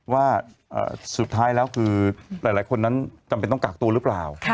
ว่าสุดท้ายแล้วคือหลายคนนั้นจำเป็นต้องกากตัวหรือเปล่า